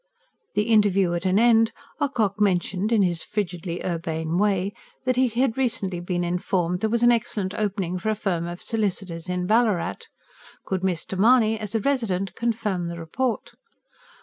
The interview at an end, Ocock mentioned, in his frigidly urbane way, that he had recently been informed there was an excellent opening for a firm of solicitors in Ballarat: could Mr. Mahony, as a resident, confirm the report?